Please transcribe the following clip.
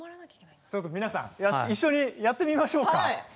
皆さん一緒にやってみましょうか。